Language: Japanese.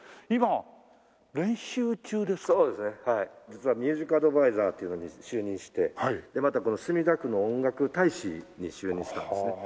実はミュージック・アドヴァイザーというのに就任してまたこの墨田区の音楽大使に就任したんですね。